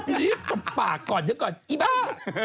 ต่อปากอย่าก่อนอีบ้า